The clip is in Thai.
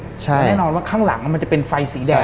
แต่แน่นอนว่าข้างหลังมันจะเป็นไฟสีแดง